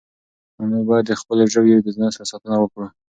موږ باید د خپلو ژویو د نسل ساتنه وکړو.